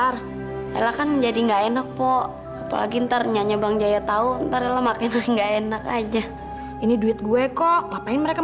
sampai jumpa di video selanjutnya